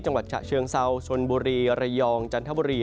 จังหวัดฉะเชิงเซาชนบุรีระยองจันทบุรี